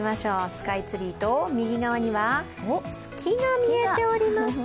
スカイツリーと右側には月が見えております。